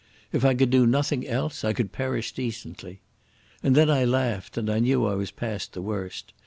If I could do nothing else I could perish decently.... And then I laughed, and I knew I was past the worst.